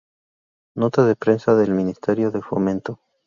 Nota de prensa del Ministerio de Fomento